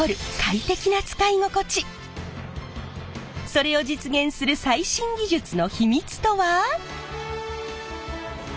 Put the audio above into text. それを実現する最新技術の秘密とは？